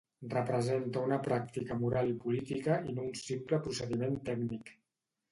Representa una pràctica moral i política i no un simple procediment tècnic.